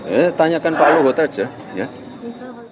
ya nanti tanyakan pak lohot aja ya